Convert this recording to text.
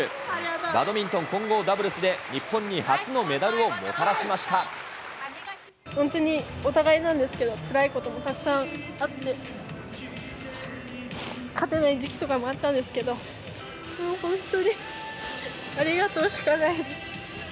バドミントン混合ダブルスで、日本に初のメダルをもたらしまし本当にお互いなんですけど、つらいこともたくさんあって、勝てない時期とかもあったんですけど、本当にありがとうしかないです。